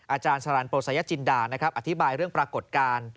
อาจารย์ชาลันโปรสัยจินดาอธิบายเรื่องปรากฏการณ์